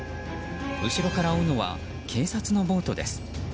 後ろから追うのは警察のボートです。